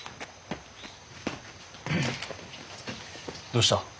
どうした？